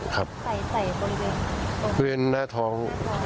ใส่ใส่บริเวณบริเวณหน้าท้อง